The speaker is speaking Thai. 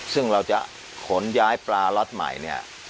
ซึ่งเราจะขนย้ายปลาล็อตใหม่เนี่ย